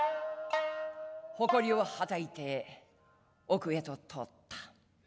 埃をはたいて奥へと通った。